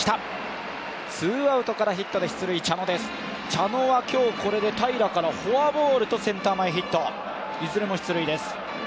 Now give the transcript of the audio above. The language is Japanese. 茶野は今日これで平良からフォアボールとセンター前ヒットいずれも出塁です。